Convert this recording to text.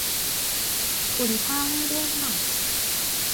อุ่นข้าวให้ด้วยค่ะ